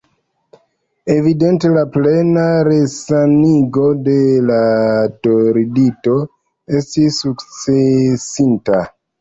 Evidente la plena resanigo de la tordito estis sukcesinta.